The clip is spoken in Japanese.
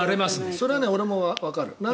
それは俺もわかる。